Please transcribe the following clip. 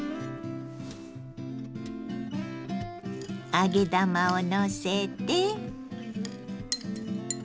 揚げ玉をのせて。